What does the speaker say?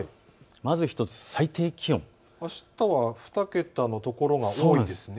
まず１つ最低気温、あしたは２桁の所が多いですね。